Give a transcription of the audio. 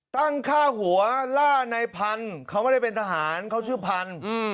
ตั้งค่าหัวล่าในพันธุ์เขาไม่ได้เป็นทหารเขาชื่อพันธุ์